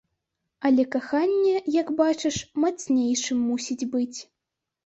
Але каханне, як бачыш, мацнейшым мусіць быць.